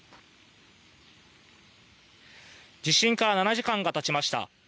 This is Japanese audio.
地震から７時間がたちました。